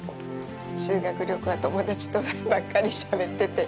修学旅行は友達とばっかりしゃべってて。